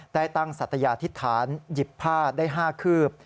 ได้ตั้งสัตยาธิษฐานหยิบผ้าได้๕คืบ